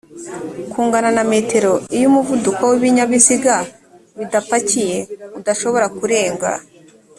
kungana na metero iyo umuvuduko w ibinyabiziga bidapakiye udashobora kurenga